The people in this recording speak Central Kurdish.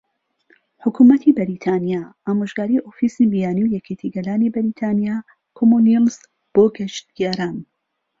حکومەتی بەریتانیا، - ئامۆژگاری ئۆفیسی بیانی و یەکێتی گەلانی بەریتانیا کۆمونیڵس بۆ گەشتیاران